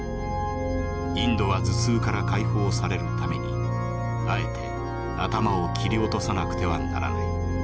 インドは頭痛から解放されるためにあえて頭を切り落とさなくてはならない。